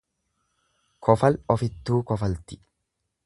Kofal ofittuu kofalti.